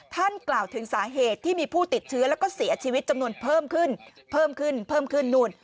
ท่านกล่าวถึงสาเหตุที่มีผู้ติดเชื้อและเสียชีวิตจำนวนเพิ่มขึ้น